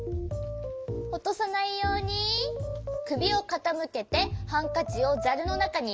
おとさないようにくびをかたむけてハンカチをざるのなかにいれるよ。